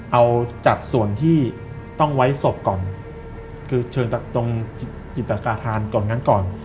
เอาจัดส่วนที่ต้องไว้ศพก่อนคือเชิญตรงจิตกาธานก่อนงั้นก่อน